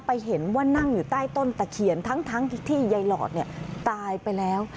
ไปเห็นว่านั่งอยู่ใต้ต้นตะเคียนทั้งที่ยายหลอดเนี่ยตายไปแล้ว